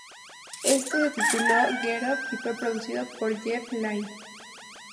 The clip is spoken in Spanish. Este se tituló "Get Up" y fue producido por Jeff Lynne.